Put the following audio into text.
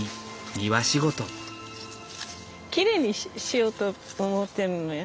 きれいにしようと思ってるのよ。